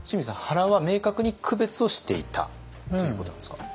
原は明確に区別をしていたということなんですか？